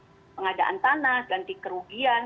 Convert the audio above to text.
pengadaan tanah ganti kerugian